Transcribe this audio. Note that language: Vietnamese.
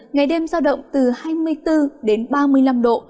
ngày đêm giao động từ hai mươi bốn đến ba mươi năm độ